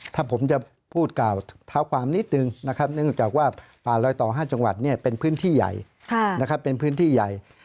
ถ้าผมจะพูดกล่าวเท้าความนิดหนึ่งนึกจากว่าป่าลอยต่อ๕จังหวัดเป็นพื้นที่ใหญ่